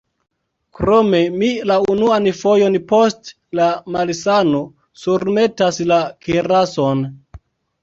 Krome, mi la unuan fojon post la malsano surmetas la kirason.